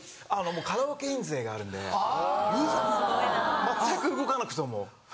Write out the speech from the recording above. カラオケ印税があるんで全く動かなくても入ってくる。